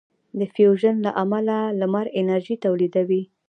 د فیوژن له امله لمر انرژي تولیدوي.